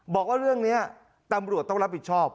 บอกว่าเรื่องนี้ตำรวจต้องรับผิดชอบ